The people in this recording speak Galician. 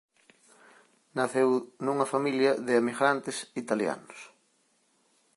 Naceu nunha familia de emigrantes italianos.